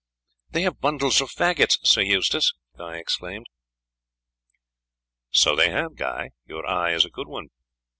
"They have bundles of faggots, Sir Eustace!" Guy exclaimed. "So they have, Guy! Your eye is a good one.